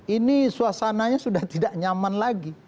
ini suasananya sudah tidak nyaman lagi